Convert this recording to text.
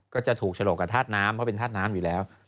ก็จะถูกฉลกกับธาตุน้ำเพราะเป็นธาตุน้ำอยู่แล้ว